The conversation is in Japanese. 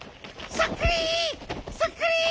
そっくり。